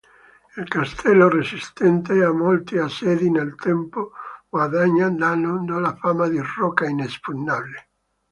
Il castello resistette a molti assedi nel tempo guadagnando la fama di rocca inespugnabile.